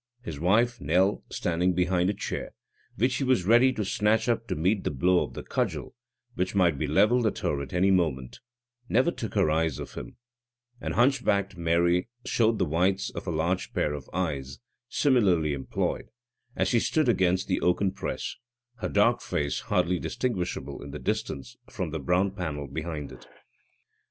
His wife, Nell, standing behind a chair, which she was ready to snatch up to meet the blow of the cudgel, which might be levelled at her at any moment, never took her eyes off him; and hunchbacked Mary showed the whites of a large pair of eyes, similarly employed, as she stood against the oaken press, her dark face hardly distinguishable in the distance from the brown panel behind it.